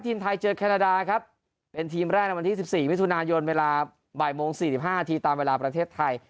ทีมไทยเจอแคนาดาครับเป็นทีมแรกในวันที่๑๔มิถุนายนเวลาบ่ายโมง๔๕นาทีตามเวลาประเทศไทย